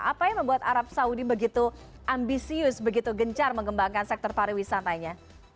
apa yang membuat arab saudi begitu ambisius begitu gencar mengembangkan sektor pariwisatanya